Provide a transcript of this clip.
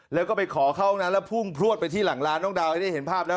แล้วก็ไปขอเข้าห้องนั้นแล้วพุ่งพลวดไปที่หลังร้านน้องดาวให้ได้เห็นภาพแล้ว